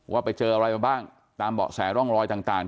ว่าไปเจออะไรมาบ้างตามเบาะแสร่องรอยต่าง